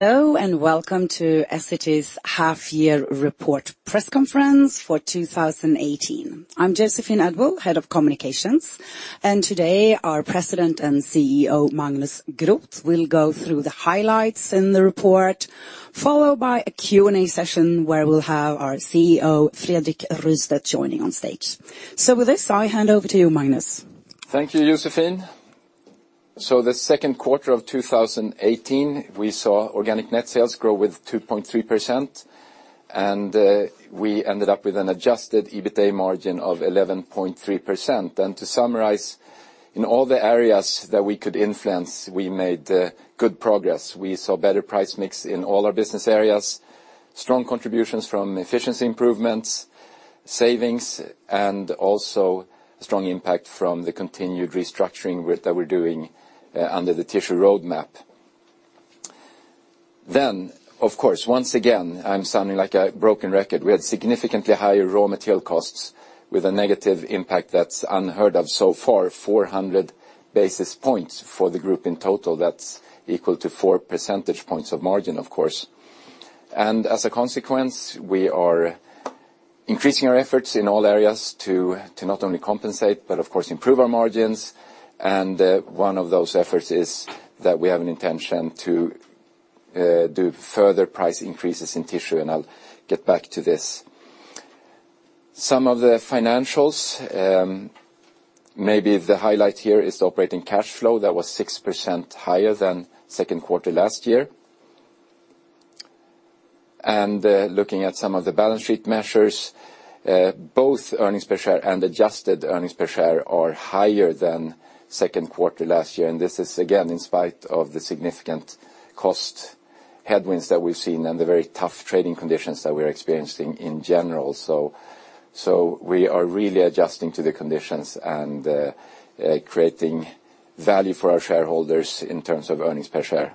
Hello, welcome to Essity's half-year report press conference for 2018. I'm Joséphine Edwall-Björklund, Head of Communications, today our President and CEO, Magnus Groth, will go through the highlights in the report, followed by a Q&A session where we'll have our CEO, Fredrik Rystedt, joining on stage. With this, I hand over to you, Magnus. Thank you, Joséphine. The second quarter of 2018, we saw organic net sales grow with 2.3%, and we ended up with an adjusted EBITA margin of 11.3%. To summarize, in all the areas that we could influence, we made good progress. We saw better price mix in all our business areas, strong contributions from efficiency improvements, savings, and also a strong impact from the continued restructuring that we're doing under the Tissue Roadmap. Of course, once again, I'm sounding like a broken record. We had significantly higher raw material costs with a negative impact that's unheard of so far, 400 basis points for the group in total. That's equal to four percentage points of margin, of course. As a consequence, we are increasing our efforts in all areas to not only compensate, but of course, improve our margins. One of those efforts is that we have an intention to do further price increases in tissue, and I'll get back to this. Some of the financials, maybe the highlight here is the operating cash flow. That was 6% higher than second quarter last year. Looking at some of the balance sheet measures, both earnings per share and adjusted earnings per share are higher than second quarter last year. This is, again, in spite of the significant cost headwinds that we've seen and the very tough trading conditions that we're experiencing in general. We are really adjusting to the conditions and creating value for our shareholders in terms of earnings per share.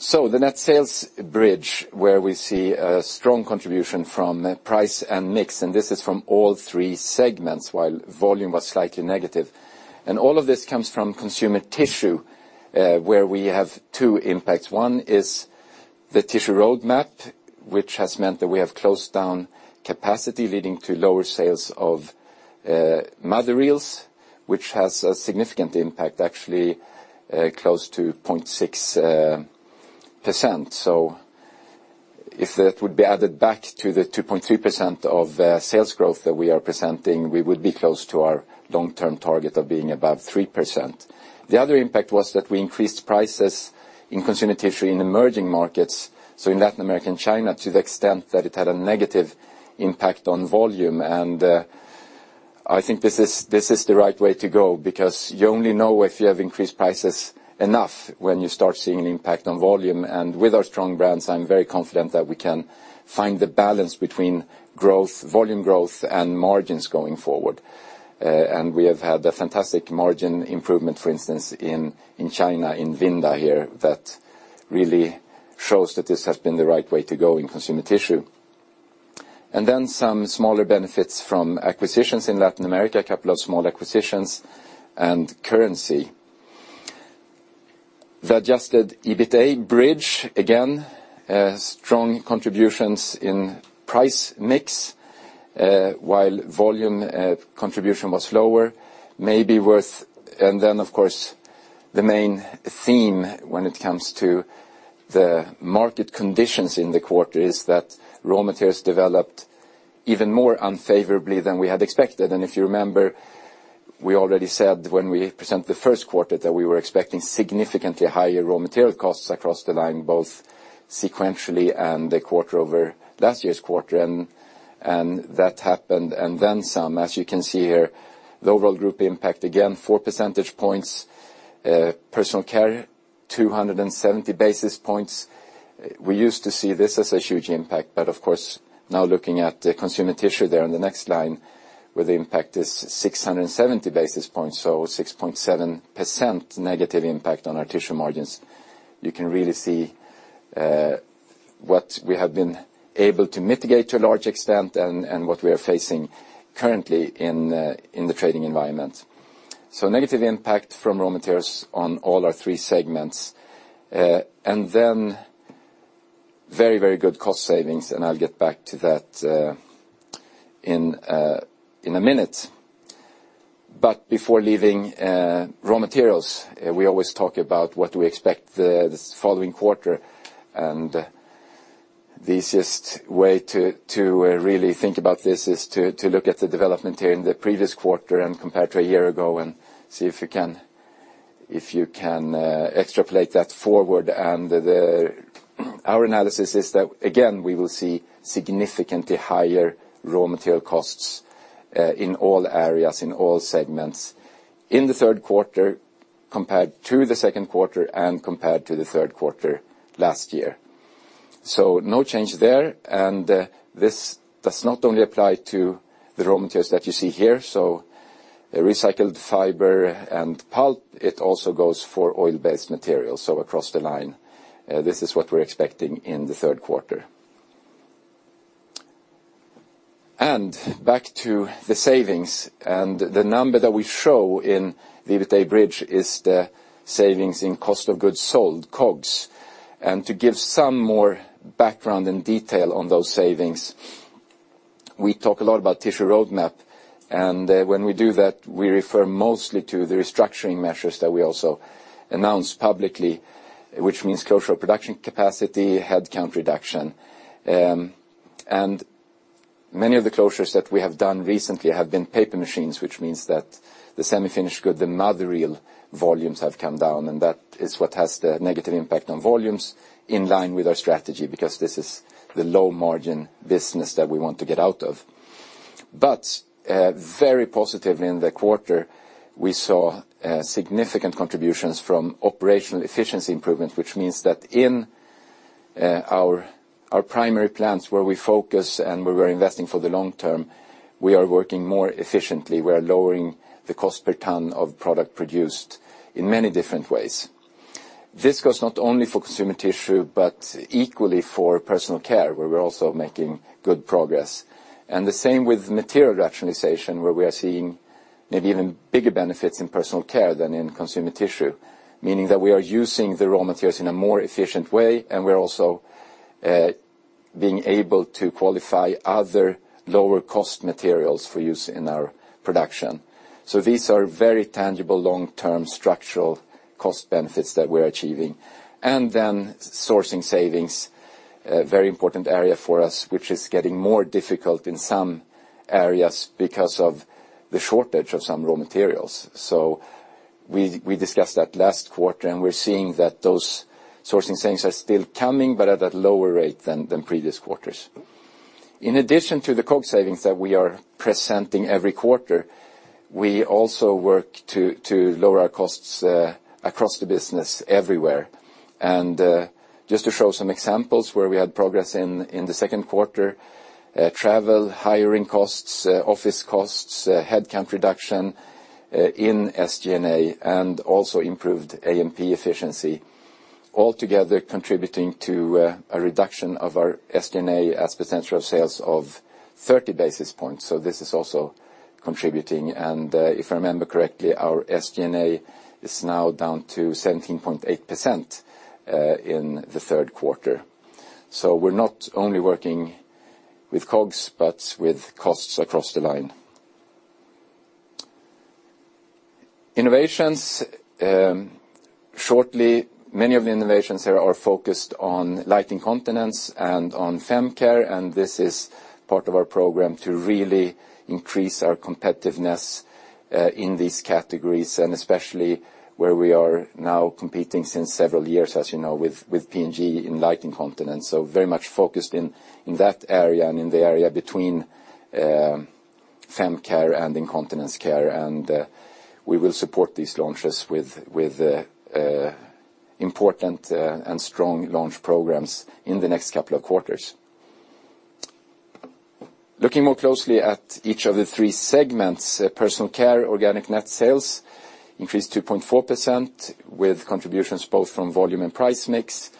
The net sales bridge, where we see a strong contribution from price and mix, and this is from all three segments, while volume was slightly negative. All of this comes from Consumer Tissue, where we have two impacts. One is the Tissue Roadmap, which has meant that we have closed down capacity, leading to lower sales of mother reels, which has a significant impact, actually close to 0.6%. If that would be added back to the 2.3% of sales growth that we are presenting, we would be close to our long-term target of being above 3%. The other impact was that we increased prices in Consumer Tissue in emerging markets, in Latin America and China, to the extent that it had a negative impact on volume. I think this is the right way to go, because you only know if you have increased prices enough when you start seeing an impact on volume. With our strong brands, I'm very confident that we can find the balance between volume growth and margins going forward. We have had a fantastic margin improvement, for instance, in China, in Vinda, that really shows that this has been the right way to go in Consumer Tissue. Some smaller benefits from acquisitions in Latin America, a couple of small acquisitions and currency. The adjusted EBITA bridge, again, strong contributions in price mix, while volume contribution was lower. Of course, the main theme when it comes to the market conditions in the quarter is that raw materials developed even more unfavorably than we had expected. If you remember, we already said when we presented the first quarter that we were expecting significantly higher raw material costs across the line, both sequentially and the quarter over last year's quarter, and that happened. Some, as you can see here, the overall group impact, again, four percentage points. Personal Care, 270 basis points. We used to see this as a huge impact, but of course, now looking at the Consumer Tissue there on the next line, where the impact is 670 basis points, so 6.7% negative impact on our tissue margins. You can really see what we have been able to mitigate to a large extent and what we are facing currently in the trading environment. Negative impact from raw materials on all our three segments. Very good cost savings, and I'll get back to that in a minute. Before leaving raw materials, we always talk about what we expect this following quarter. The easiest way to really think about this is to look at the development here in the previous quarter and compare it to a year ago and see if you can extrapolate that forward. Our analysis is that, again, we will see significantly higher raw material costs in all areas, in all segments in the third quarter compared to the second quarter and compared to the third quarter last year. No change there. This does not only apply to the raw materials that you see here, so recycled fiber and pulp, it also goes for oil-based materials. Across the line, this is what we're expecting in the third quarter. Back to the savings, the number that we show in EBITA bridge is the savings in cost of goods sold, COGS. To give some more background and detail on those savings, we talk a lot about Tissue Roadmap, and when we do that, we refer mostly to the restructuring measures that we also announce publicly, which means closure of production capacity, headcount reduction. Many of the closures that we have done recently have been paper machines, which means that the semi-finished good, the mother reel volumes have come down, and that is what has the negative impact on volumes in line with our strategy, because this is the low margin business that we want to get out of. Very positive in the quarter, we saw significant contributions from operational efficiency improvements, which means that in our primary plans where we focus and where we're investing for the long term, we are working more efficiently. We're lowering the cost per ton of product produced in many different ways. This goes not only for Consumer Tissue, but equally for Personal Care, where we're also making good progress. The same with material rationalization, where we are seeing maybe even bigger benefits in Personal Care than in Consumer Tissue. Meaning that we are using the raw materials in a more efficient way, and we're also being able to qualify other lower cost materials for use in our production. These are very tangible long-term structural cost benefits that we're achieving. Sourcing savings, a very important area for us, which is getting more difficult in some areas because of the shortage of some raw materials. We discussed that last quarter, we're seeing that those sourcing savings are still coming, but at a lower rate than previous quarters. In addition to the COGS savings that we are presenting every quarter, we also work to lower our costs across the business everywhere. Just to show some examples where we had progress in the second quarter, travel, hiring costs, office costs, headcount reduction in SG&A, also improved A&P efficiency, altogether contributing to a reduction of our SG&A as a % of sales of 30 basis points. This is also contributing, and if I remember correctly, our SG&A is now down to 17.8% in the third quarter. We're not only working with COGS, but with costs across the line. Innovations. Shortly, many of the innovations here are focused on light incontinence and on fem care. This is part of our program to really increase our competitiveness in these categories, especially where we are now competing since several years, as you know, with P&G in light incontinence. Very much focused in that area and in the area between fem care and incontinence care. We will support these launches with important and strong launch programs in the next couple of quarters. Looking more closely at each of the three segments, Personal Care organic net sales increased 2.4% with contributions both from volume and price mix,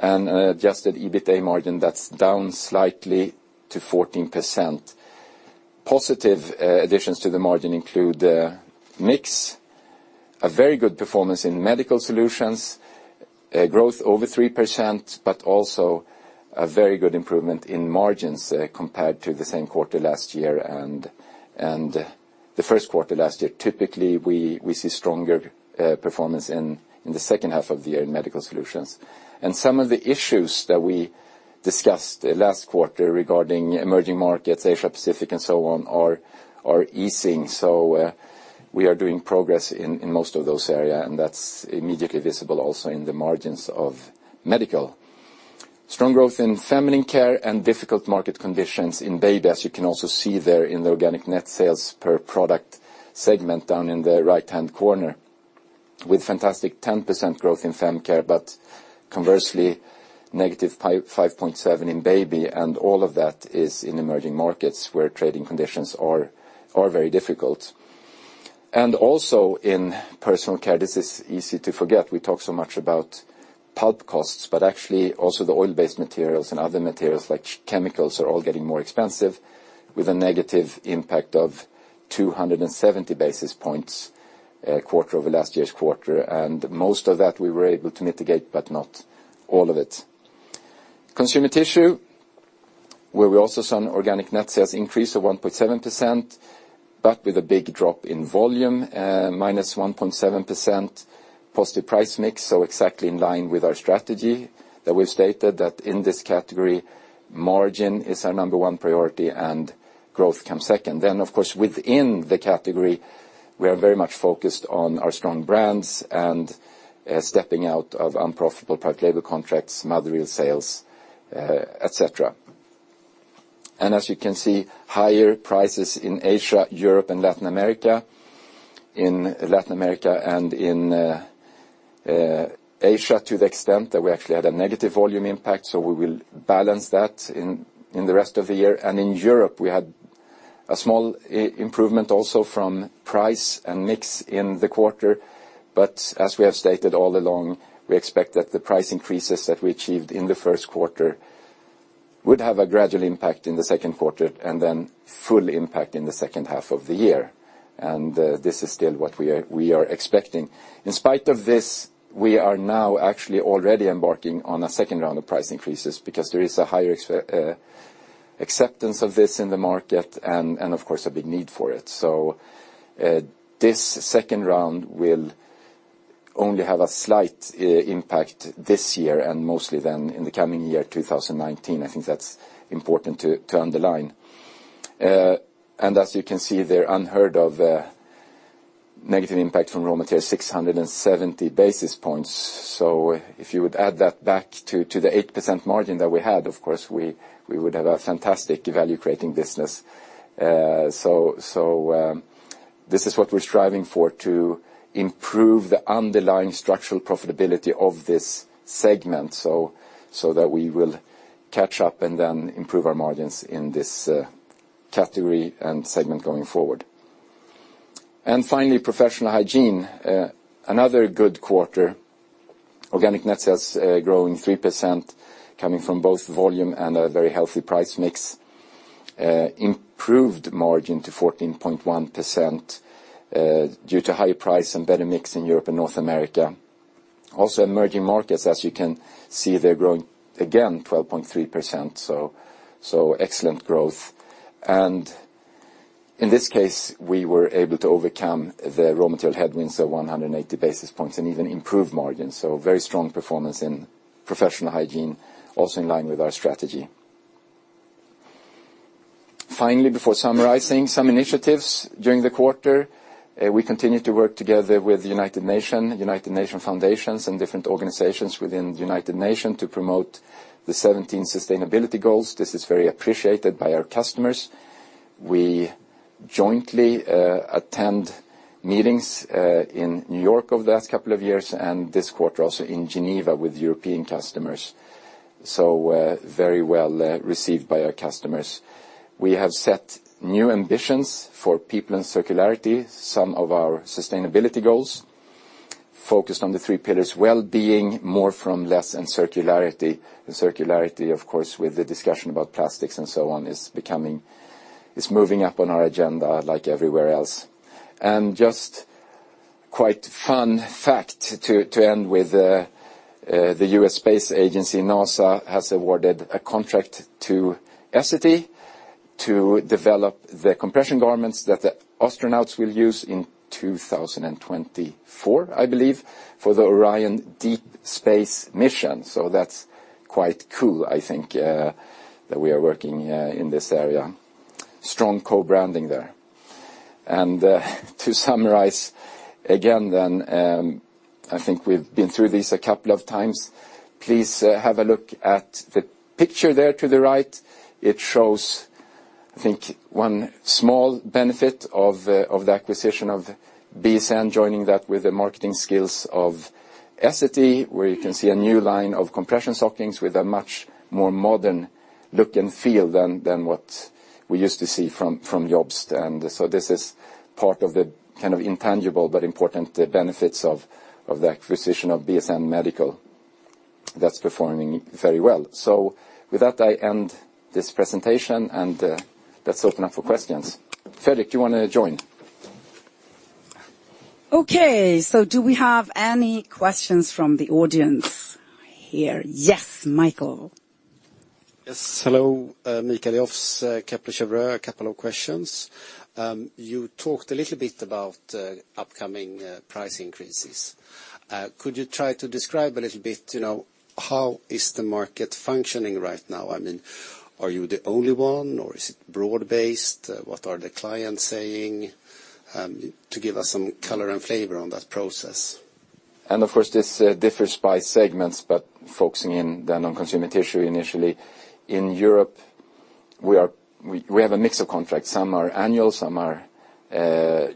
adjusted EBITA margin, that's down slightly to 14%. Positive additions to the margin include mix, a very good performance in medical solutions, growth over 3%, but also a very good improvement in margins compared to the same quarter last year and the first quarter last year. Typically, we see stronger performance in the second half of the year in medical solutions. Some of the issues that we discussed last quarter regarding emerging markets, Asia Pacific, and so on are easing. We are doing progress in most of those areas, that's immediately visible also in the margins of medical. Strong growth in feminine care and difficult market conditions in baby, as you can also see there in the organic net sales per product segment down in the right-hand corner. With fantastic 10% growth in fem care, but conversely, negative 5.7% in baby, all of that is in emerging markets where trading conditions are very difficult. Also in Personal Care, this is easy to forget. We talk so much about pulp costs, but actually, also the oil-based materials and other materials like chemicals are all getting more expensive with a negative impact of 270 basis points quarter over last year's quarter. Most of that we were able to mitigate, but not all of it. Consumer Tissue, where we also saw an organic net sales increase of 1.7%, but with a big drop in volume, minus 1.7% positive price mix. Exactly in line with our strategy that we've stated that in this category, margin is our number one priority and growth comes second. Of course, within the category, we are very much focused on our strong brands and stepping out of unprofitable private label contracts, mother reel sales, et cetera. As you can see, higher prices in Asia, Europe, and Latin America. In Latin America and in Asia, to the extent that we actually had a negative volume impact. We will balance that in the rest of the year. In Europe, we had a small improvement also from price and mix in the quarter. As we have stated all along, we expect that the price increases that we achieved in the first quarter would have a gradual impact in the second quarter, and then full impact in the second half of the year. This is still what we are expecting. In spite of this, we are now actually already embarking on a second round of price increases because there is a higher acceptance of this in the market and of course, a big need for it. This second round will only have a slight impact this year and mostly then in the coming year, 2019. I think that's important to underline. As you can see there, unheard of negative impact from raw material, 670 basis points. If you would add that back to the 8% margin that we had, of course, we would have a fantastic value-creating business. This is what we're striving for, to improve the underlying structural profitability of this segment, so that we will catch up and then improve our margins in this category and segment going forward. Finally, Professional Hygiene. Another good quarter. Organic net sales growing 3%, coming from both volume and a very healthy price mix. Improved margin to 14.1% due to higher price and better mix in Europe and North America. Also emerging markets, as you can see, they're growing again 12.3%, so excellent growth. In this case, we were able to overcome the raw material headwinds of 180 basis points and even improve margins. Very strong performance in Professional Hygiene, also in line with our strategy. Finally, before summarizing, some initiatives during the quarter. We continue to work together with United Nations, United Nations Foundation, and different organizations within United Nations to promote the 17 sustainability goals. This is very appreciated by our customers. We jointly attend meetings in New York over the last couple of years, and this quarter also in Geneva with European customers. Very well-received by our customers. We have set new ambitions for people and circularity. Some of our sustainability goals focused on the three pillars: well-being, more from less, and circularity. Circularity, of course, with the discussion about plastics and so on, is moving up on our agenda like everywhere else. Just quite fun fact to end with, the U.S. space agency, NASA, has awarded a contract to Essity to develop the compression garments that the astronauts will use in 2024, I believe, for the Orion Deep Space mission. That's quite cool, I think, that we are working in this area. Strong co-branding there. To summarize again then, I think we've been through this a couple of times. Please have a look at the picture there to the right. It shows, I think, one small benefit of the acquisition of BSN, joining that with the marketing skills of Essity, where you can see a new line of compression stockings with a much more modern look and feel than what we used to see from JOBST. This is part of the kind of intangible but important benefits of the acquisition of BSN medical that's performing very well. With that, I end this presentation, and let's open up for questions. Fredrik, you want to join? Okay. Do we have any questions from the audience here? Yes, Mikael. Yes. Hello, Mikael Olofsson, Kepler Cheuvreux. A couple of questions. You talked a little bit about upcoming price increases. Could you try to describe a little bit, how is the market functioning right now? Are you the only one, or is it broad-based? What are the clients saying? To give us some color and flavor on that process. Of course, this differs by segments, but focusing in the non-Consumer Tissue initially. In Europe, we have a mix of contracts. Some are annual, some are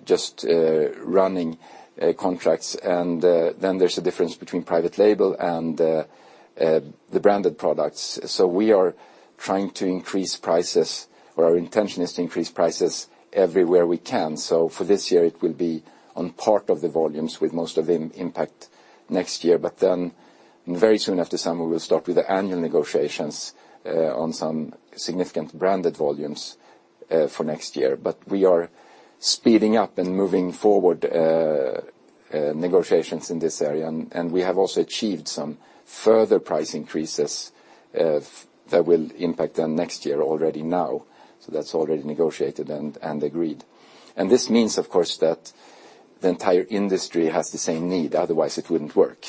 just running contracts. There's a difference between private label and the branded products. We are trying to increase prices, or our intention is to increase prices everywhere we can. For this year, it will be on part of the volumes with most of the impact next year. Very soon after summer, we'll start with the annual negotiations on some significant branded volumes for next year. We are speeding up and moving forward negotiations in this area, and we have also achieved some further price increases that will impact then next year already now. That's already negotiated and agreed. This means, of course, that the entire industry has the same need, otherwise it wouldn't work.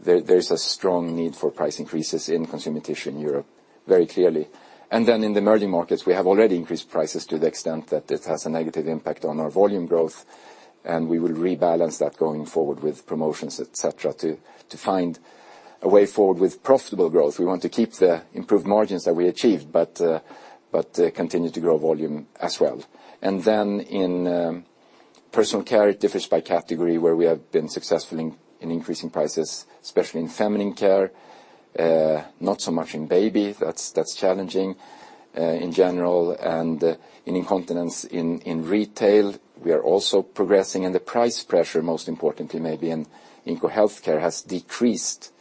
There's a strong need for price increases in Consumer Tissue in Europe, very clearly. In the emerging markets, we have already increased prices to the extent that it has a negative impact on our volume growth, and we will rebalance that going forward with promotions, et cetera, to find a way forward with profitable growth. We want to keep the improved margins that we achieved, but continue to grow volume as well. In Personal Care, it differs by category where we have been successful in increasing prices, especially in feminine care, not so much in baby. That's challenging in general and in incontinence. In retail, we are also progressing, and the price pressure, most importantly, maybe in Inco healthcare has decreased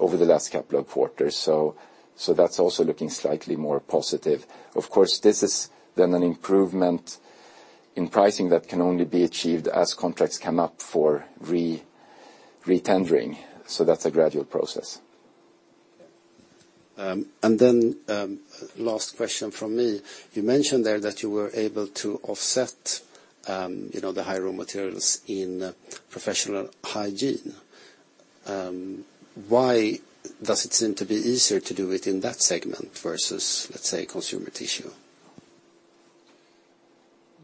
over the last couple of quarters. That's also looking slightly more positive. Of course, this is then an improvement in pricing that can only be achieved as contracts come up for re-tendering. That's a gradual process. Last question from me. You mentioned there that you were able to offset the high raw materials in Professional Hygiene. Why does it seem to be easier to do it in that segment versus, let's say, Consumer Tissue?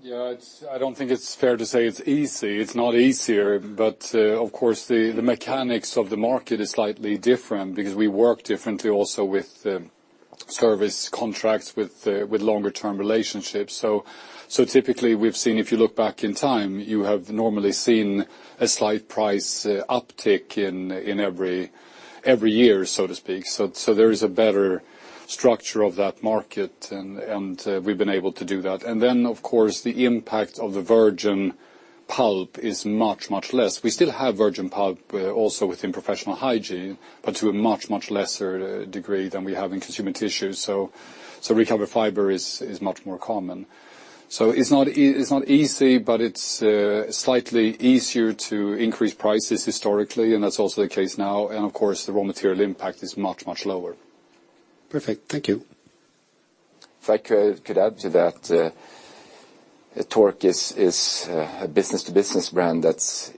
I don't think it's fair to say it's easy. It's not easier. Of course, the mechanics of the market is slightly different because we work differently also with service contracts, with longer term relationships. Typically, we've seen, if you look back in time, you have normally seen a slight price uptick in every year, so to speak. There is a better structure of that market, and we've been able to do that. Of course, the impact of the virgin pulp is much, much less. We still have virgin pulp also within Professional Hygiene, but to a much, much lesser degree than we have in Consumer Tissues. Recovered fiber is much more common. It's not easy, but it's slightly easier to increase prices historically, and that's also the case now. Of course, the raw material impact is much, much lower. Perfect. Thank you. If I could add to that. Tork is a business-to-business brand that's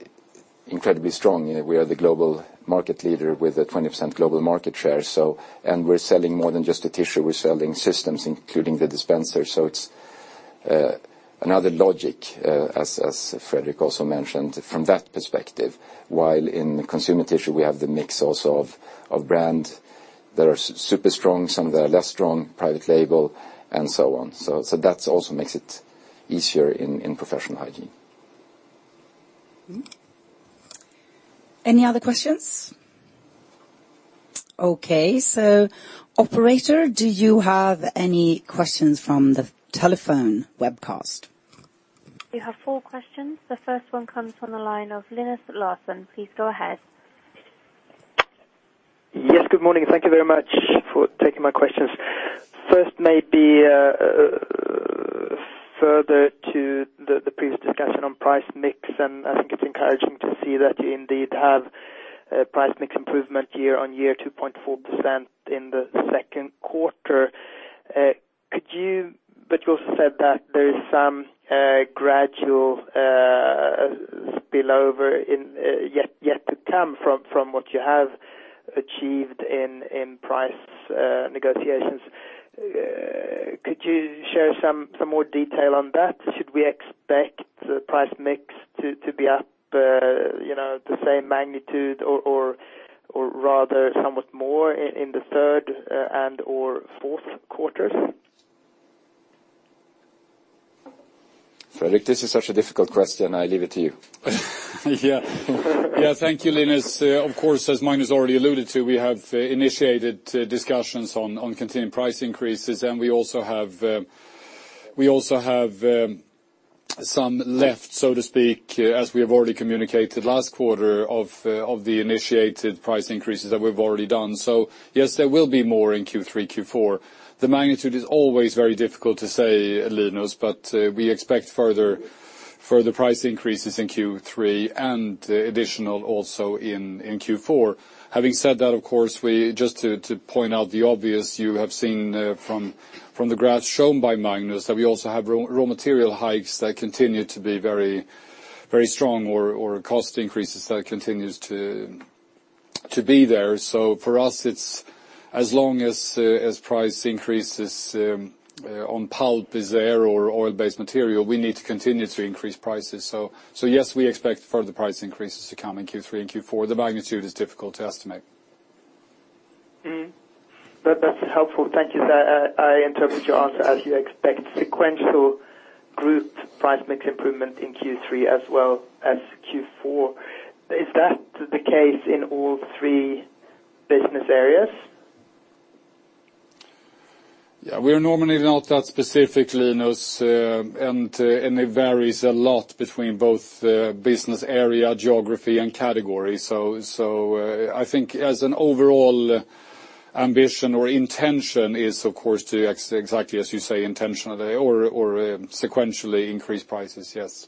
incredibly strong. We are the global market leader with a 20% global market share. We're selling more than just the tissue, we're selling systems, including the dispenser. It's another logic, as Fredrik also mentioned, from that perspective. While in Consumer Tissue, we have the mix also of brand that are super strong, some that are less strong, private label, and so on. That also makes it easier in Professional Hygiene. Any other questions? Okay. Operator, do you have any questions from the telephone webcast? You have four questions. The first one comes from the line of Linus Larsson. Please go ahead. Yes, good morning. Thank you very much for taking my questions. First maybe, further to the previous discussion on price mix, I think it's encouraging to see that you indeed have price mix improvement year-over-year, 2.4% in the second quarter. You also said that there is some gradual spillover yet to come from what you have achieved in price negotiations. Could you share some more detail on that? Should we expect the price mix to be up the same magnitude or rather somewhat more in the third and/or fourth quarters? Fredrik, this is such a difficult question. I leave it to you. Thank you, Linus. Of course, as Magnus already alluded to, we have initiated discussions on continuing price increases, we also have some left, so to speak, as we have already communicated last quarter of the initiated price increases that we've already done. Yes, there will be more in Q3, Q4. The magnitude is always very difficult to say, Linus, but we expect further price increases in Q3 and additional also in Q4. Having said that, of course, just to point out the obvious, you have seen from the graphs shown by Magnus that we also have raw material hikes that continue to be very strong or cost increases that continues to be there. For us, as long as price increases on pulp is there or oil-based material, we need to continue to increase prices. Yes, we expect further price increases to come in Q3 and Q4. The magnitude is difficult to estimate. That's helpful. Thank you. I interpret your answer as you expect sequential group price mix improvement in Q3 as well as Q4. Is that the case in all three business areas? We are normally not that specific, Linus, and it varies a lot between both business area, geography, and category. I think as an overall ambition or intention is, of course, to exactly as you say, intentionally or sequentially increase prices, yes.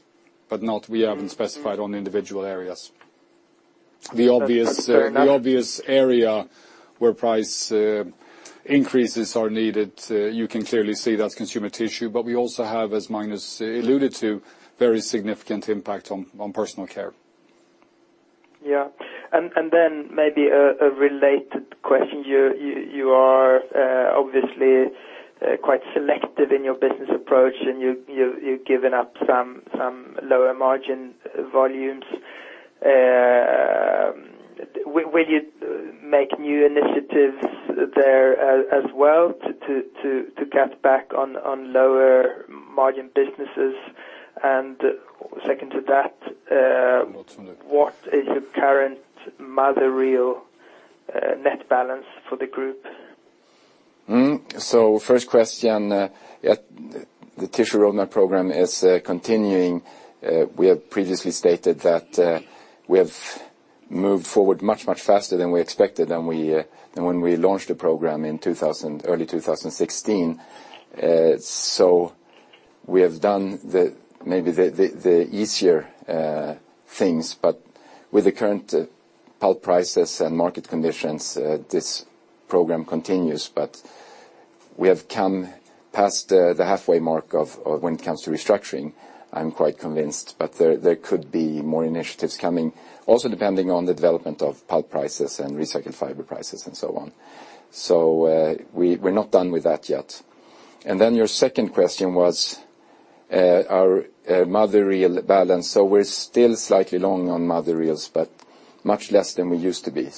We haven't specified on individual areas. That's fair enough. The obvious area where price increases are needed, you can clearly see that's Consumer Tissue, but we also have, as Magnus alluded to, very significant impact on Personal Care. Yeah. Maybe a related question. You are obviously quite selective in your business approach, and you're giving up some lower margin volumes. Will you make new initiatives there as well to cut back on lower margin businesses? Second to that, what is your current mother reel net balance for the group? First question, the Tissue Roadmap program is continuing. We have previously stated that we have moved forward much faster than we expected when we launched the program in early 2016. We have done maybe the easier things, but with the current pulp prices and market conditions, this program continues. We have come past the halfway mark when it comes to restructuring, I'm quite convinced. There could be more initiatives coming, also depending on the development of pulp prices and recycled fiber prices and so on. We're not done with that yet. Your second question was our mother reel balance. We're still slightly long on mother reels, but much less than we used to be.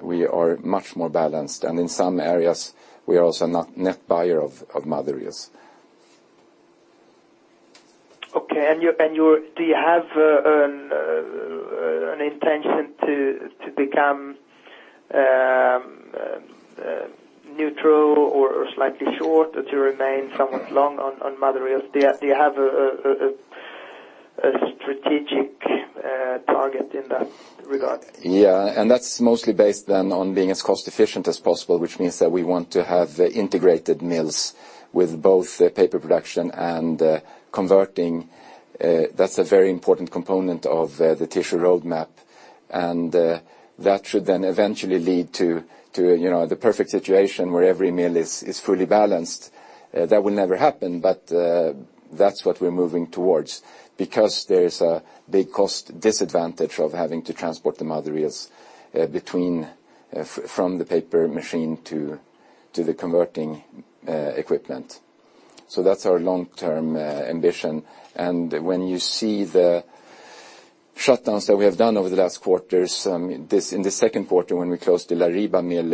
We are much more balanced. In some areas, we are also a net buyer of mother reels. Okay. Do you have an intention to become neutral or slightly short or to remain somewhat long on mother reels? Do you have a strategic target in that regard? Yeah. That's mostly based then on being as cost efficient as possible, which means that we want to have integrated mills with both paper production and converting. That's a very important component of the Tissue Roadmap. That should then eventually lead to the perfect situation where every mill is fully balanced. That will never happen, but that's what we're moving towards, because there is a big cost disadvantage of having to transport the mother reels from the paper machine to the converting equipment. That's our long-term ambition. When you see the shutdowns that we have done over the last quarters, in the second quarter when we closed the La Riba mill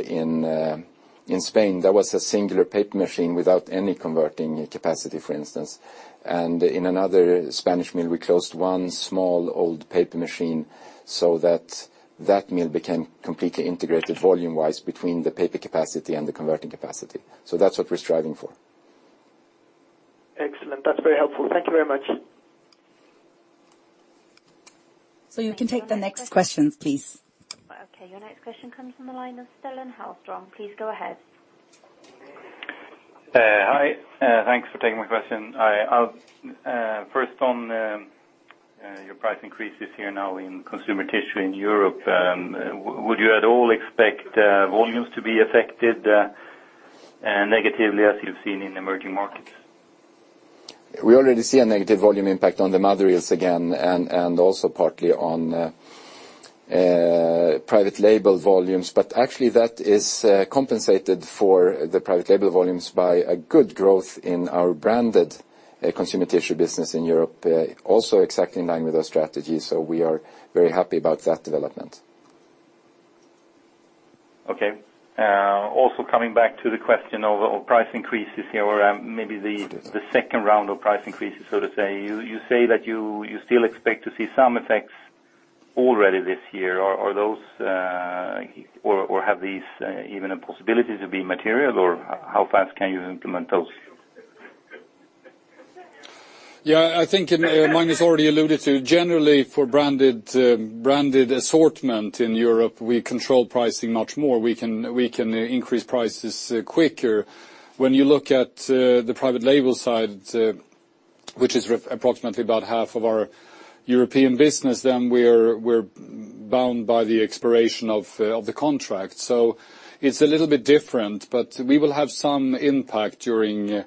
in Spain, that was a singular paper machine without any converting capacity, for instance. In another Spanish mill, we closed one small old paper machine, that mill became completely integrated volume-wise between the paper capacity and the converting capacity. That's what we're striving for. Excellent. That's very helpful. Thank you very much. You can take the next questions, please. Okay. Your next question comes from the line of Stellan Hallström. Please go ahead. Hi. Thanks for taking my question. First on your price increases here now in Consumer Tissue in Europe. Would you at all expect volumes to be affected negatively as you've seen in emerging markets? We already see a negative volume impact on the mother reels again, and also partly on private label volumes. Actually that is compensated for the private label volumes by a good growth in our branded Consumer Tissue business in Europe. Also exactly in line with our strategy. We are very happy about that development. Okay. Also coming back to the question of price increases here, or maybe the second round of price increases, so to say. You say that you still expect to see some effects already this year. Have these even a possibility to be material, or how fast can you implement those? Yeah, I think Magnus already alluded to, generally for branded assortment in Europe, we control pricing much more. We can increase prices quicker. When you look at the private label side, which is approximately about half of our European business, we're bound by the expiration of the contract. It's a little bit different, but we will have some impact during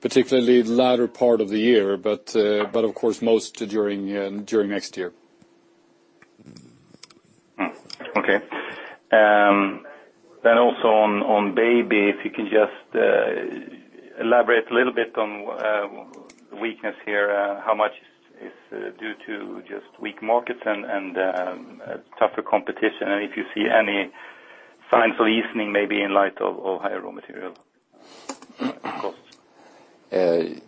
particularly the latter part of the year. Of course, most during next year. Okay. Also on baby, if you can just elaborate a little bit on the weakness here, how much is due to just weak markets and tougher competition? If you see any signs of easing, maybe in light of higher raw material costs.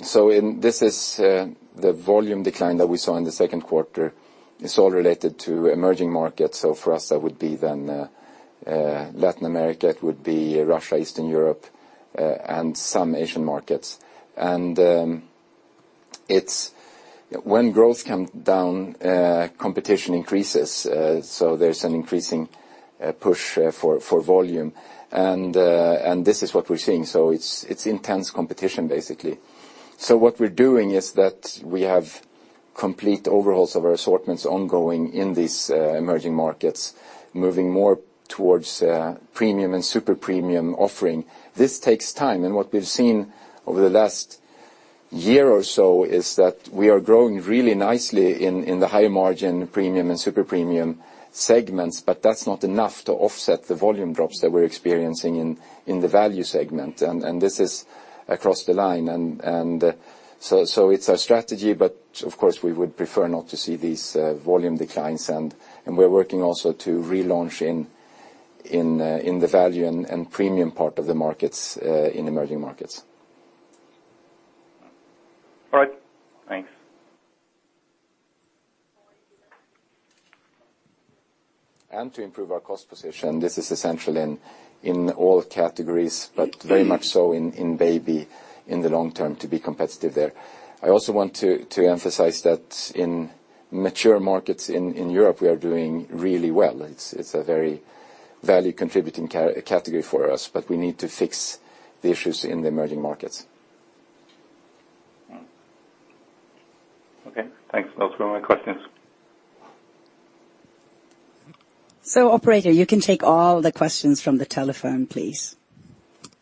This is the volume decline that we saw in the second quarter. It's all related to emerging markets. For us, that would be then Latin America, it would be Russia, Eastern Europe, and some Asian markets. When growth comes down, competition increases. There's an increasing push for volume. This is what we're seeing. It's intense competition basically. What we're doing is that we have complete overhauls of our assortments ongoing in these emerging markets, moving more towards premium and super premium offering. This takes time. What we've seen over the last year or so is that we are growing really nicely in the higher margin premium and super premium segments, but that's not enough to offset the volume drops that we're experiencing in the value segment. This is across the line. It's our strategy, but of course, we would prefer not to see these volume declines. We're working also to relaunch in the value and premium part of the markets in emerging markets. All right, thanks. To improve our cost position, this is essential in all categories, but very much so in Baby in the long term to be competitive there. I also want to emphasize that in mature markets in Europe, we are doing really well. It's a very value-contributing category for us, but we need to fix the issues in the emerging markets. Okay, thanks. Those were my questions. Operator, you can take all the questions from the telephone, please.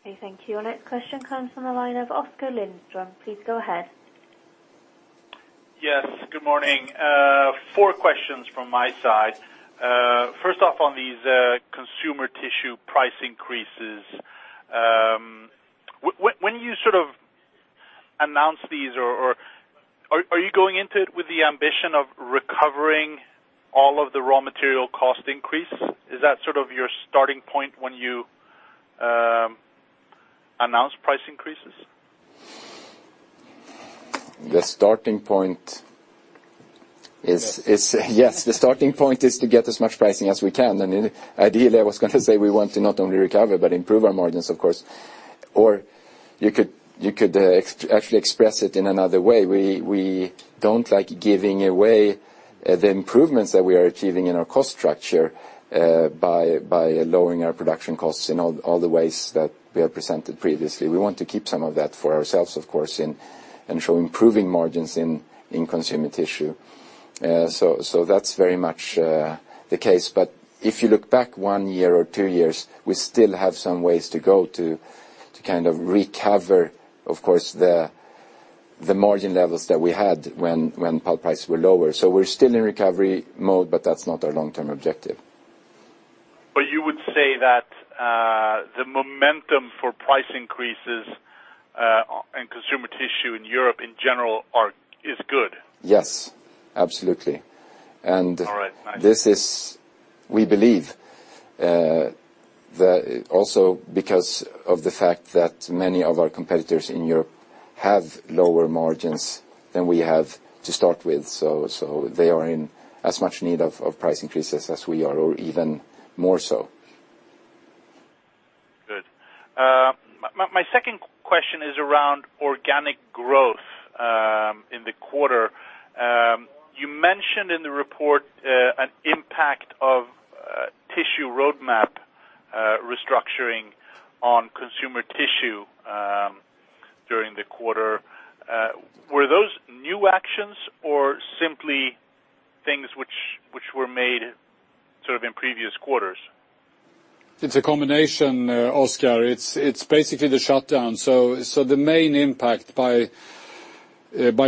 Okay, thank you. Our next question comes from the line of Oskar Lindström. Please go ahead. Yes, good morning. Four questions from my side. First off on these Consumer Tissue price increases. When you announce these, are you going into it with the ambition of recovering all of the raw material cost increase? Is that your starting point when you announce price increases? The starting point is yes. The starting point is to get as much pricing as we can, and ideally, I was going to say we want to not only recover but improve our margins, of course. You could actually express it in another way. We don't like giving away the improvements that we are achieving in our cost structure by lowering our production costs in all the ways that we have presented previously. We want to keep some of that for ourselves, of course, and show improving margins in Consumer Tissue. That's very much the case. If you look back one year or two years, we still have some ways to go to recover, of course, the margin levels that we had when pulp prices were lower. We're still in recovery mode, but that's not our long-term objective. You would say that the momentum for price increases and Consumer Tissue in Europe in general is good. Yes, absolutely. All right, nice. We believe, also because of the fact that many of our competitors in Europe have lower margins than we have to start with, so they are in as much need of price increases as we are or even more so. Good. My second question is around organic growth in the quarter. You mentioned in the report an impact of Tissue Roadmap restructuring on Consumer Tissue during the quarter. Were those new actions or simply things which were made in previous quarters? It's a combination, Oskar. It's basically the shutdown. The main impact by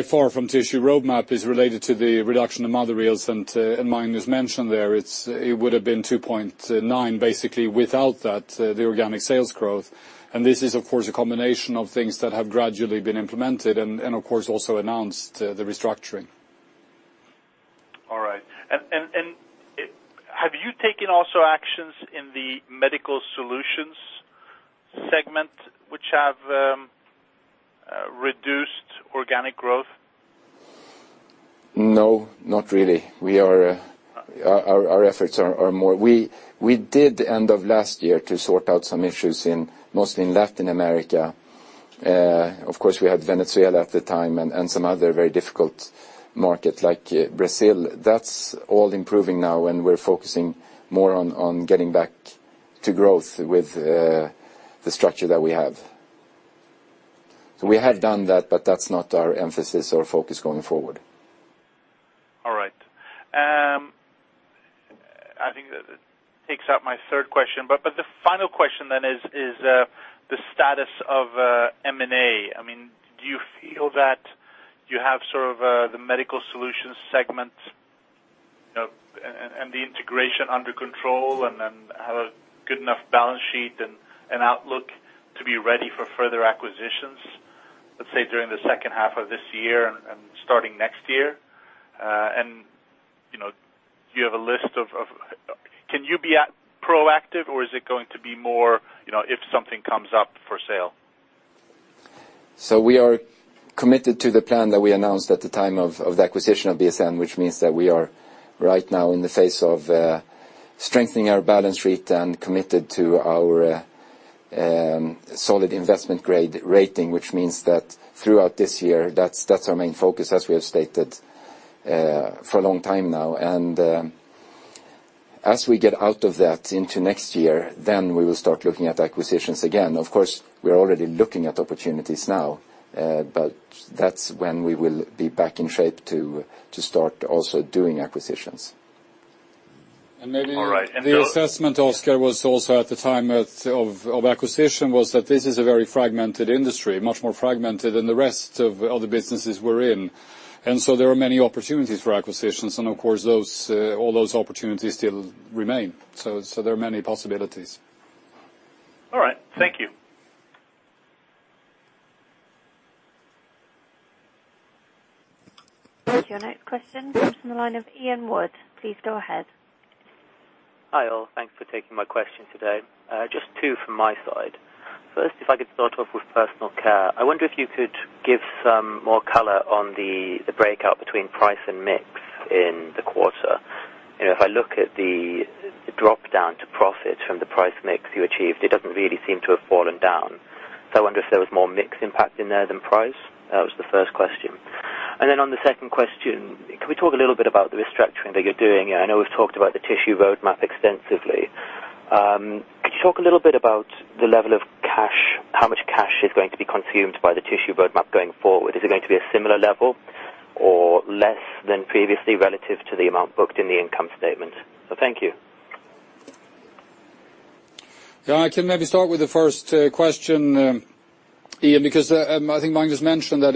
far from Tissue Roadmap is related to the reduction in mother reels, and Magnus mentioned there, it would've been 2.9 basically without that, the organic sales growth. This is of course a combination of things that have gradually been implemented and, of course also announced the restructuring. All right. Have you taken also actions in the medical solutions segment which have reduced organic growth? No, not really. Our efforts are more. We did the end of last year to sort out some issues mostly in Latin America. Of course, we had Venezuela at the time and some other very difficult market like Brazil. That's all improving now. We're focusing more on getting back to growth with the structure that we have. We have done that, but that's not our emphasis or focus going forward. All right. I think that takes out my third question. The final question then is the status of M&A. Do you feel that you have the medical solutions segment and the integration under control, and have a good enough balance sheet and outlook to be ready for further acquisitions, let's say, during the second half of this year and starting next year? Do you have a list of? Can you be proactive or is it going to be more, if something comes up for sale? We are committed to the plan that we announced at the time of the acquisition of BSN, which means that we are right now in the phase of strengthening our balance sheet and committed to our solid investment grade rating, which means that throughout this year, that's our main focus as we have stated for a long time now. As we get out of that into next year, we will start looking at acquisitions again. Of course, we're already looking at opportunities now. That's when we will be back in shape to start also doing acquisitions. Maybe- All right. The other- The assessment, Oskar, was also at the time of acquisition was that this is a very fragmented industry, much more fragmented than the rest of other businesses we're in. There are many opportunities for acquisitions and, of course, all those opportunities still remain. There are many possibilities. All right. Thank you. Your next question comes from the line of Ian Wood. Please go ahead. Hi all. Thanks for taking my question today. Just two from my side. First, if I could start off with Personal Care. I wonder if you could give some more color on the breakout between price and mix in the quarter. If I look at the drop-down to profit from the price mix you achieved, it doesn't really seem to have fallen down. I wonder if there was more mix impact in there than price? That was the first question. On the second question, can we talk a little bit about the restructuring that you're doing? I know we've talked about the Tissue Roadmap extensively. Could you talk a little bit about the level of cash? How much cash is going to be consumed by the Tissue Roadmap going forward? Is it going to be a similar level or less than previously relative to the amount booked in the income statement? Thank you. Yeah. I can maybe start with the first question, Ian, because I think Magnus mentioned that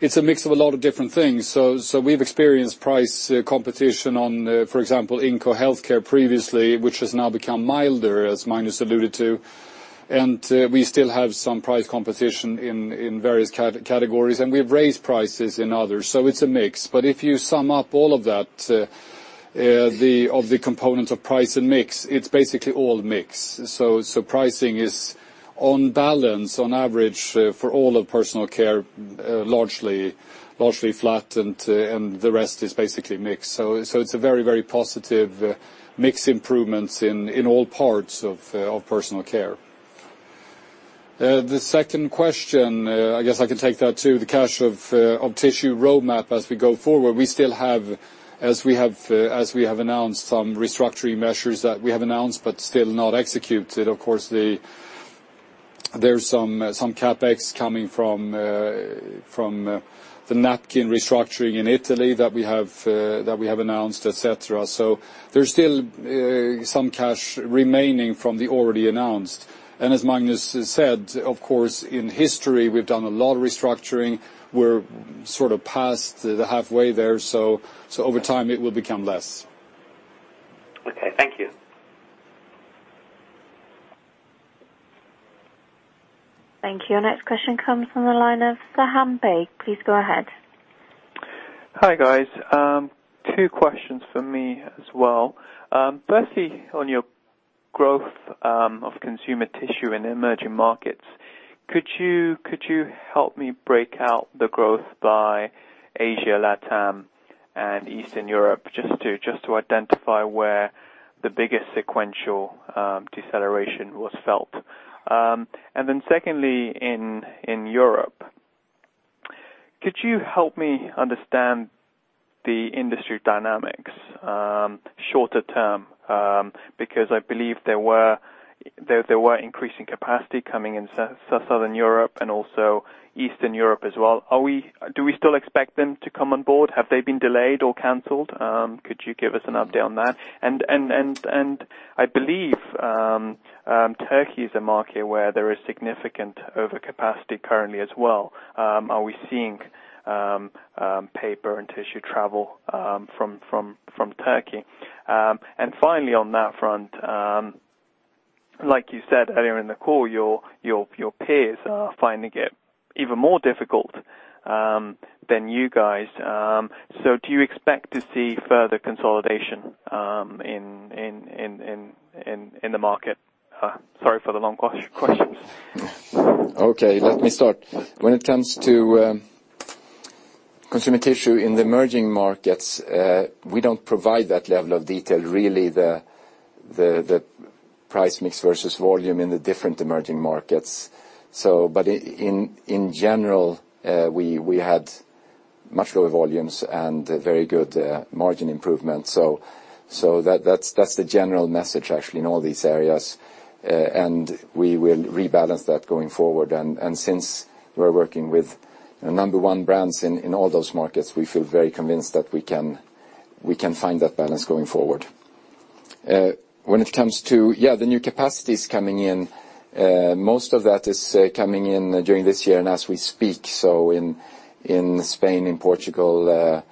it's a mix of a lot of different things. We've experienced price competition on, for example, Inco Healthcare previously, which has now become milder, as Magnus alluded to, and we still have some price competition in various categories. We've raised prices in others, so it's a mix. If you sum up all of that, of the components of price and mix, it's basically all mix. Pricing is on balance, on average for all of Personal Care, largely flat and the rest is basically mix. It's a very positive mix improvements in all parts of Personal Care. The second question, I guess I can take that too. The cash of Tissue Roadmap as we go forward, we still have, as we have announced, some restructuring measures that we have announced but still not executed. Of course, there's some CapEx coming from the napkin restructuring in Italy that we have announced, et cetera. There's still some cash remaining from the already announced. As Magnus said, of course, in history we've done a lot of restructuring. We're sort of past the halfway there. Over time it will become less. Okay. Thank you. Thank you. Our next question comes from the line of Saham Bay. Please go ahead. Hi guys. Two questions from me as well. Firstly, on your growth of Consumer Tissue in emerging markets, could you help me break out the growth by Asia, LATAM, and Eastern Europe just to identify where the biggest sequential deceleration was felt? Secondly, in Europe, could you help me understand the industry dynamics shorter term? Because I believe there were increasing capacity coming in Southern Europe and also Eastern Europe as well. Do we still expect them to come on board? Have they been delayed or canceled? Could you give us an update on that? I believe Turkey is a market where there is significant overcapacity currently as well. Are we seeing paper and tissue travel from Turkey? Finally on that front, like you said earlier in the call, your peers are finding it even more difficult than you guys. Do you expect to see further consolidation in the market? Sorry for the long questions. Okay. Let me start. When it comes to Consumer Tissue in the emerging markets, we don't provide that level of detail really the price mix versus volume in the different emerging markets. In general, we had much lower volumes and very good margin improvement. That's the general message actually in all these areas. We will rebalance that going forward. Since we're working with number one brands in all those markets, we feel very convinced that we can find that balance going forward. When it comes to the new capacities coming in, most of that is coming in during this year and as we speak, so in Spain, in Portugal.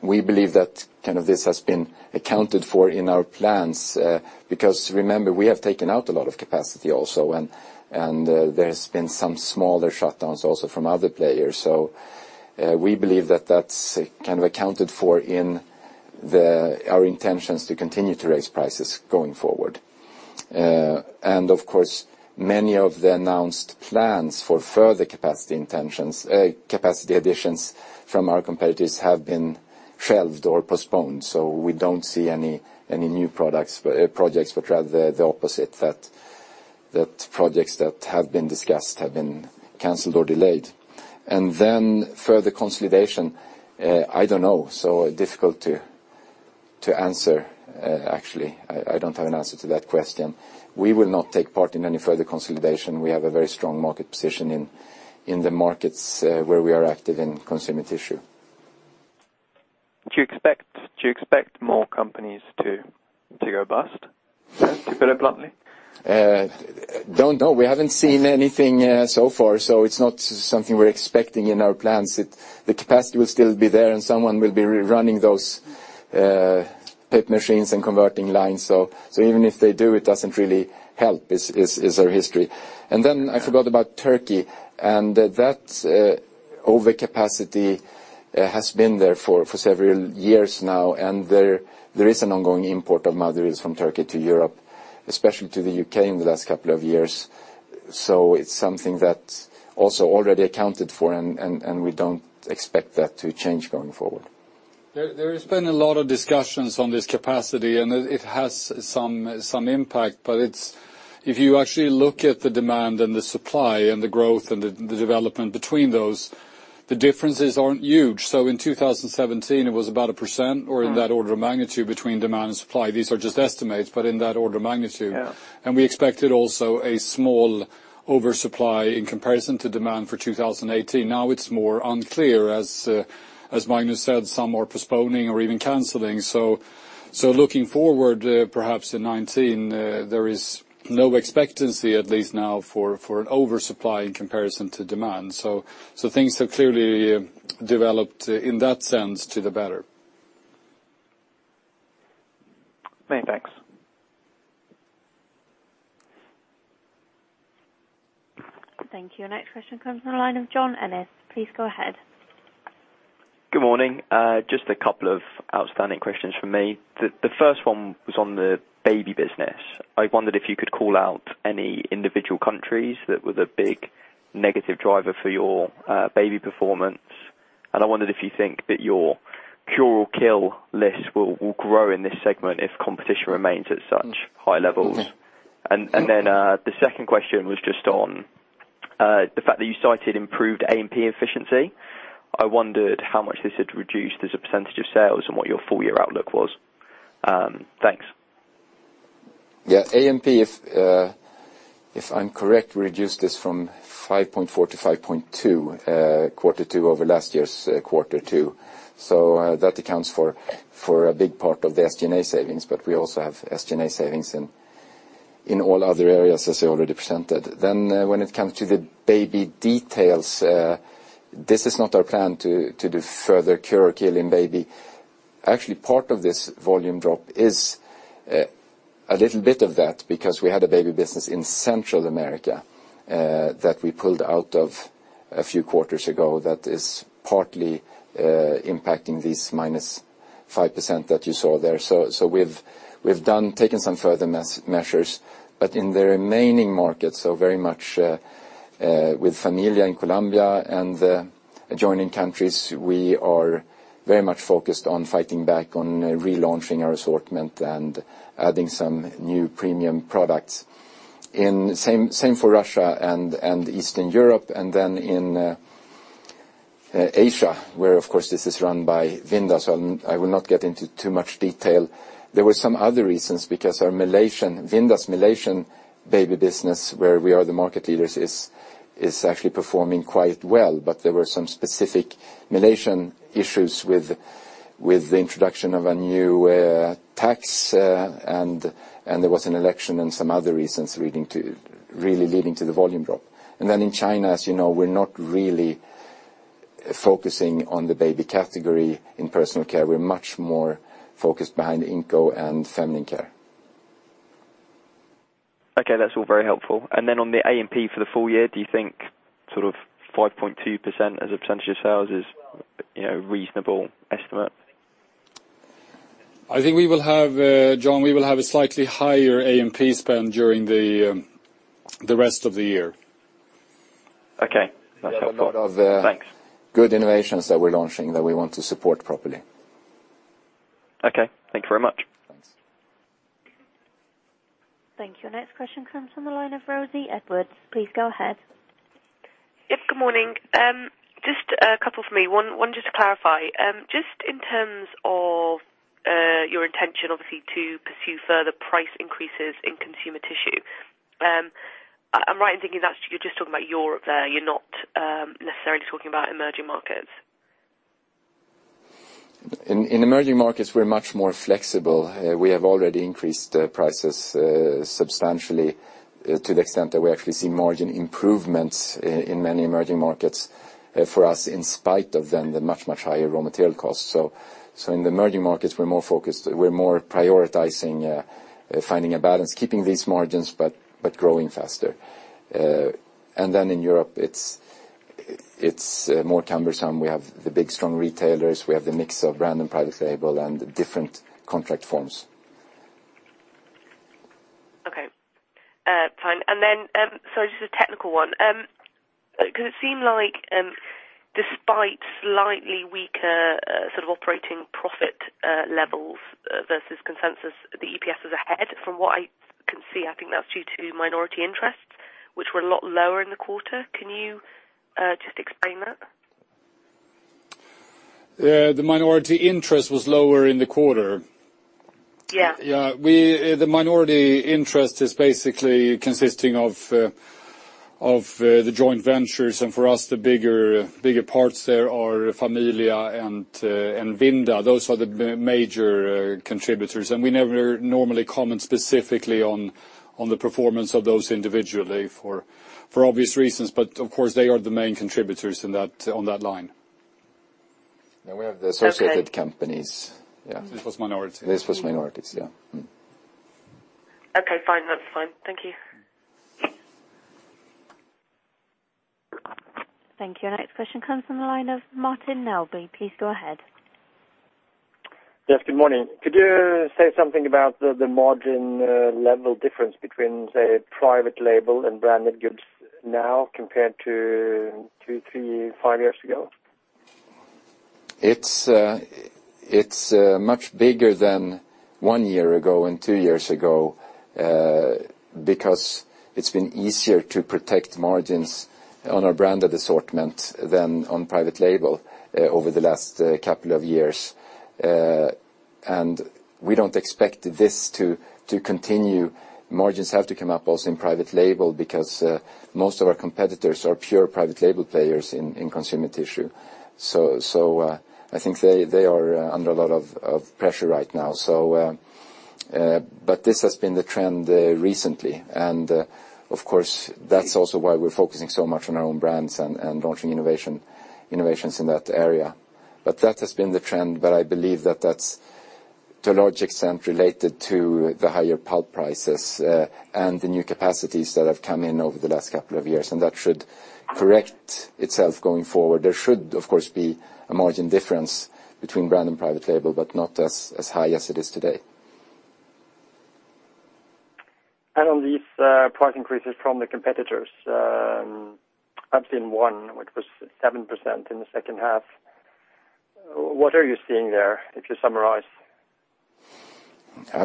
We believe that kind of this has been accounted for in our plans, because remember, we have taken out a lot of capacity also, and there's been some smaller shutdowns also from other players. We believe that's kind of accounted for in our intentions to continue to raise prices going forward. Of course, many of the announced plans for further capacity additions from our competitors have been shelved or postponed. We don't see any new projects, but rather the opposite, that projects that have been discussed have been canceled or delayed. Further consolidation, I don't know. Difficult to answer, actually. I don't have an answer to that question. We will not take part in any further consolidation. We have a very strong market position in the markets where we are active in Consumer Tissue. Do you expect more companies to go bust? To put it bluntly. Don't know. We haven't seen anything so far, so it's not something we're expecting in our plans. The capacity will still be there and someone will be running those paper machines and converting lines. Even if they do, it doesn't really help, is our history. I forgot about Turkey, and that Overcapacity has been there for several years now, and there is an ongoing import of materials from Turkey to Europe, especially to the U.K. in the last couple of years. It's something that's also already accounted for, and we don't expect that to change going forward. There has been a lot of discussions on this capacity, and it has some impact, but if you actually look at the demand and the supply and the growth and the development between those, the differences aren't huge. In 2017, it was about 1% or in that order of magnitude between demand and supply. These are just estimates, but in that order of magnitude. Yeah. We expected also a small oversupply in comparison to demand for 2018. Now it's more unclear, as Magnus Groth said, some are postponing or even canceling. Looking forward, perhaps in 2019, there is no expectancy, at least now, for an oversupply in comparison to demand. Things have clearly developed, in that sense, to the better. Many thanks. Thank you. Next question comes from the line of John Ennis. Please go ahead. Good morning. Just a couple of outstanding questions from me. The first one was on the baby business. I wondered if you could call out any individual countries that were the big negative driver for your baby performance. I wondered if you think that your cure or kill list will grow in this segment if competition remains at such high levels. The second question was just on the fact that you cited improved A&P efficiency. I wondered how much this had reduced as a % of sales and what your full year outlook was. Thanks. Yeah. A&P, if I'm correct, reduced this from 5.4% to 5.2% Quarter 2 over last year's Quarter 2. That accounts for a big part of the SG&A savings, but we also have SG&A savings in all other areas as we already presented. When it comes to the baby details, this is not our plan to do further cure or kill in baby. Actually, part of this volume drop is a little bit of that because we had a baby business in Central America that we pulled out of a few quarters ago that is partly impacting this minus 5% that you saw there. We've taken some further measures, but in the remaining markets are very much with Familia in Colombia and the adjoining countries. We are very much focused on fighting back on relaunching our assortment and adding some new premium products. Same for Russia and Eastern Europe, in Asia, where, of course, this is run by Vinda, I will not get into too much detail. There were some other reasons because our Vinda's Malaysian baby business, where we are the market leaders, is actually performing quite well. There were some specific Malaysian issues with the introduction of a new tax, and there was an election and some other reasons really leading to the volume drop. In China, as you know, we're not really focusing on the baby category in Personal Care. We're much more focused behind Inco and feminine care. Okay, that's all very helpful. On the A&P for the full year, do you think 5.2% as a % of sales is reasonable estimate? I think we will have, John, we will have a slightly higher A&P spend during the rest of the year. Okay. That's helpful. Thanks. We have a lot of good innovations that we're launching that we want to support properly. Okay. Thank you very much. Thanks. Thank you. Next question comes from the line of Rosie Edwards. Please go ahead. Yes, good morning. Just a couple from me. One just to clarify. Just in terms of your intention, obviously, to pursue further price increases in Consumer Tissue. I'm right in thinking that you're just talking about Europe there, you're not necessarily talking about emerging markets? In emerging markets, we're much more flexible. We have already increased prices substantially to the extent that we actually see margin improvements in many emerging markets for us in spite of the much, much higher raw material costs. In the emerging markets, we're more prioritizing finding a balance, keeping these margins, but growing faster. In Europe it's more cumbersome. We have the big strong retailers, we have the mix of random private label and different contract forms. Okay. Fine. Just a technical one. It seemed like despite slightly weaker sort of operating profit levels versus consensus, the EPS was ahead from what I can see. I think that's due to minority interests, which were a lot lower in the quarter. Can you just explain that? The minority interest was lower in the quarter. Yeah. Yeah. The minority interest is basically consisting of the joint ventures, and for us, the bigger parts there are Familia and Vinda. Those are the major contributors. We never normally comment specifically on the performance of those individually for obvious reasons. Of course they are the main contributors on that line. No, we have the associated companies. Okay. This was minority. This was minorities, yeah. Okay, fine. That's fine. Thank you. Thank you. Next question comes from the line of Martin Melbye. Please go ahead. Yes, good morning. Could you say something about the margin level difference between, say, private label and branded goods now compared to two, three, five years ago? It's much bigger than one year ago and two years ago, because it's been easier to protect margins on our branded assortment than on private label over the last couple of years. We don't expect this to continue. Margins have to come up also in private label because most of our competitors are pure private label players in Consumer Tissue. I think they are under a lot of pressure right now. This has been the trend recently. Of course, that's also why we're focusing so much on our own brands and launching innovations in that area. That has been the trend, but I believe that that's to a large extent related to the higher pulp prices, and the new capacities that have come in over the last couple of years, and that should correct itself going forward. There should, of course, be a margin difference between brand and private label, not as high as it is today. On these price increases from the competitors, I've seen one which was 7% in the second half. What are you seeing there, if you summarize?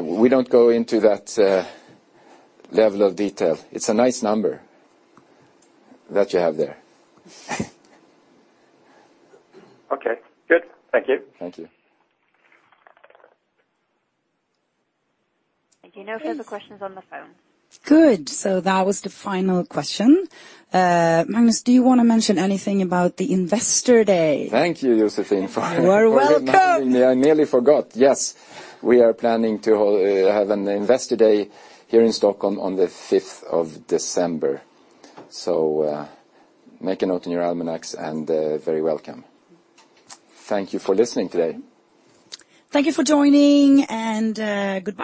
We don't go into that level of detail. It's a nice number that you have there. Okay, good. Thank you. Thank you. No further questions on the phone. Good. That was the final question. Magnus, do you want to mention anything about the Investor Day? Thank you, Joséphine. You are welcome reminding me. I nearly forgot. Yes. We are planning to have an Investor Day here in Stockholm on the 5th of December. Make a note in your almanacs and very welcome. Thank you for listening today. Thank you for joining, and goodbye.